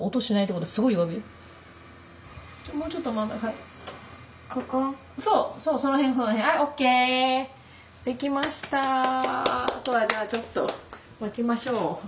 あとはじゃあちょっと待ちましょう。